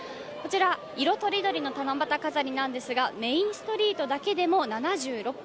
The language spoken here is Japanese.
色とりどりの七夕飾りなんですが、メインストリートだけでも７６本。